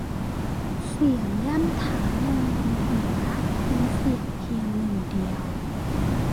เสียงย่ำเท้าลงบนหิมะเป็นเสียงเพียงหนึ่งเดียว